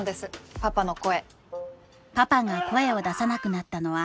パパの声